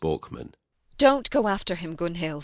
BORKMAN.] Don't go after him, Gunhild!